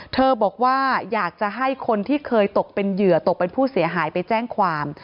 บอกว่าอยากจะให้คนที่เคยตกเป็นเหยื่อตกเป็นผู้เสียหายไปแจ้งความ